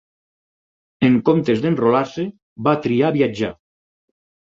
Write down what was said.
En comptes d'enrolar-se va triar viatjar.